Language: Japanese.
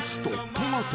トマト。